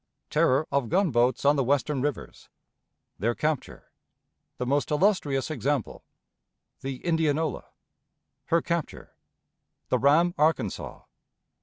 Terror of Gunboats on the Western Rivers. Their Capture. The most Illustrious Example. The Indianola. Her Capture. The Ram Arkansas.